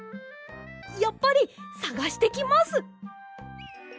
やっぱりさがしてきます！